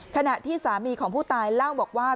ขณะที่สามีของผู้ตายเล่าบอกว่า